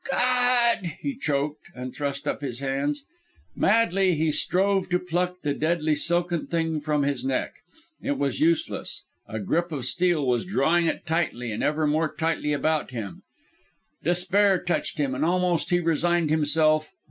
"God!" he choked, and thrust up his hands. Madly, he strove to pluck the deadly silken thing from his neck. It was useless. A grip of steel was drawing it tightly and ever more tightly about him.... Despair touched him, and almost he resigned himself.